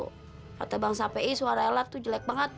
kata bang sapi suara ellet tuh jelek banget